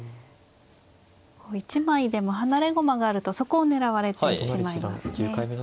一枚でも離れ駒があるとそこを狙われてしまいますね。